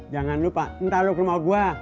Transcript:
jangan lupa entah lu ke rumah gue